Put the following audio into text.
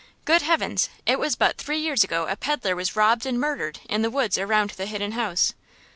Good heavens! It was but three years ago a peddler was robbed and murdered in the woods around the Hidden House.'